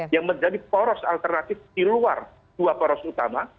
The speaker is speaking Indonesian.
yang menjadi poros alternatif di luar dua poros utama